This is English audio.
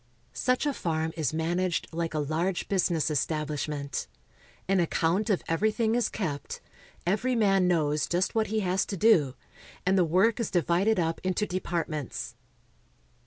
Such a farm is managed like a large business establish ment. An account of everything is kept, every man knows just what he has to do, and the work is divided up into departments.